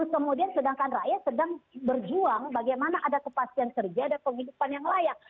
kemudian sedangkan rakyat sedang berjuang bagaimana ada kepastian kerja dan kehidupan yang layak